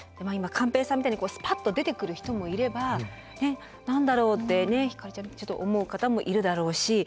今寛平さんみたいにスパッと出てくる人もいれば何だろうってねひかるちゃんみたい思う方もいるだろうし。